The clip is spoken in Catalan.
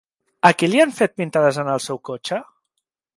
A qui li han fet pintades en el seu cotxe?